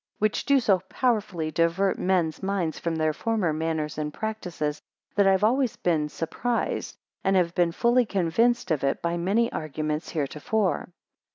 2 Which do so powerfully divert men's minds from their former manners and practices, that I have always been surprised, and have been fully convinced of it by many arguments heretofore.